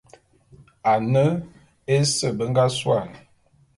Ane ese be nga suane.